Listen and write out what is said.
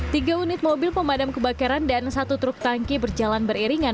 tiga unit mobil pemadam kebakaran dan satu truk tangki berjalan beriringan